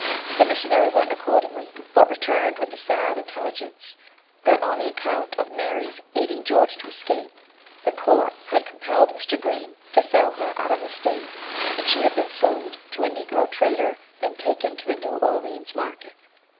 The missionary went accordingly, but returned with the sad intelligence that, on account of Mary's aiding George to escape, the court had compelled Mr. Green to sell her out of the state, and she had been sold to a Negro trader, and taken to the New Orleans market.